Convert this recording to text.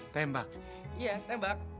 tembak iya tembak